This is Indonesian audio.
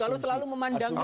kalau selalu memandangnya